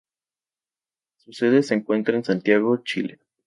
Su sede se encuentra en Santiago, Chile.